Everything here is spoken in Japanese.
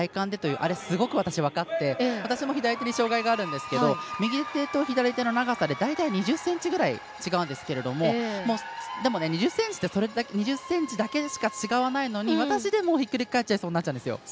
あれ私もすごく分かって私も左手に障がいがあるんですが右手と左手の長さで大体２０ｃｍぐらい違うんですけれども２０ｃｍだけしか違わないのに私でもひっくり返っちゃいそうになるんですよ。